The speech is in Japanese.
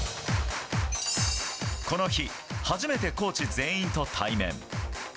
この日初めて、コーチ全員と対面。